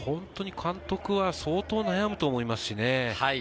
監督は相当悩むと思います。